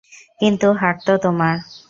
কিন্তু, হাট তো তোমার।